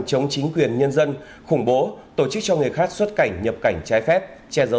chống chính quyền nhân dân khủng bố tổ chức cho người khác xuất cảnh nhập cảnh trái phép che giấu